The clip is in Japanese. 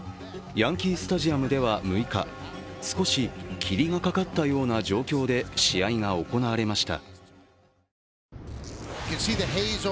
ヤンキー・スタジアムでは６日少し霧がかかったような状況で試合が行われました。